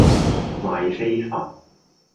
賣飛佛